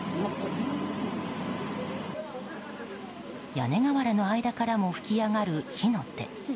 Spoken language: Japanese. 屋根瓦の間からも噴き上がる火の手。